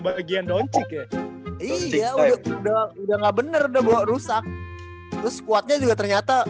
bagian donci ya iya udah udah nggak bener udah bawa rusak terus kuatnya juga ternyata